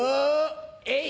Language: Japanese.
えい！